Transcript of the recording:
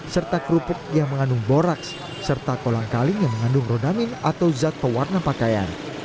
serta kerupuk yang mengandung borax serta kolang kaling yang mengandung rodamin atau zat pewarna pakaian